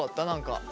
何か。